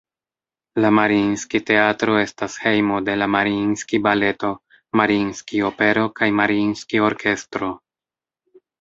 La Mariinskij-Teatro estas hejmo de la Mariinskij-Baleto, Mariinskij-Opero kaj Mariinskij-Orkestro.